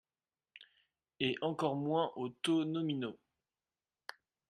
Et encore moins aux taux nominaux.